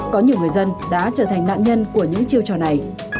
có nhiều người dân đã trở thành nạn nhân của những chiêu trò này